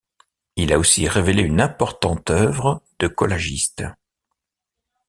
Il a aussi révélé une importante œuvre de collagiste.